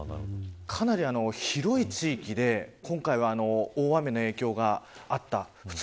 かなり広い地域で大雨の影響があった。